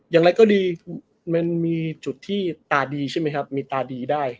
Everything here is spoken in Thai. อย่างไรก็ดีมันมีจุดที่ตาดีใช่ไหมครับมีตาดีได้